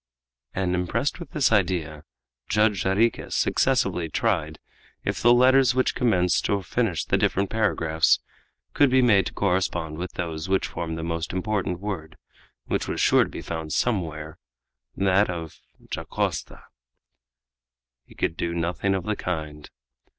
And impressed with this idea Judge Jarriquez successively tried if the letters which commenced or finished the different paragraphs could be made to correspond with those which formed the most important word, which was sure to be found somewhre, that of Dacosta. He could do nothing of the kind.